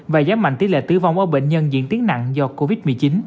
và giám mạnh tỷ lệ tứ vong ở bệnh nhân diễn tiến nặng do covid một mươi chín